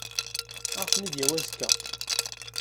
Ad aɣ-ten-id-yawi azekka.